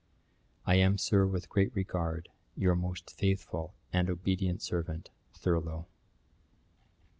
'I am, Sir, with great regard, 'Your most faithful 'And obedient servant, 'THURLOW.'